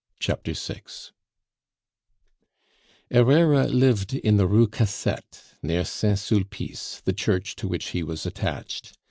Herrera lived in the Rue Cassette, near Saint Sulpice, the church to which he was attached.